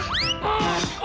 terserah om deh